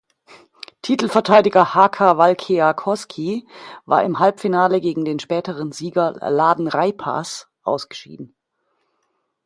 Titelverteidiger Haka Valkeakoski war im Halbfinale gegen den späteren Sieger Lahden Reipas ausgeschieden.